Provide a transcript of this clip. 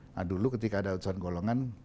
nah dulu ketika ada utusan golongan